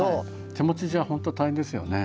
手持ちじゃ本当大変ですよね。